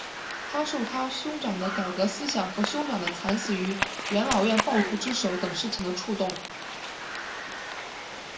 他受他兄长的改革思想和兄长的惨死于元老院暴徒之手等事情的触动。